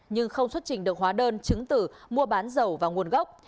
nhưng không xuất trình được hóa đơn chứng tử mua bán dầu và nguồn gốc